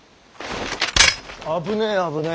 危ねえ危ねえ。